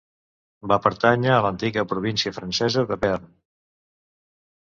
Va pertànyer a l'antiga província francesa de Bearn.